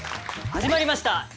始まりました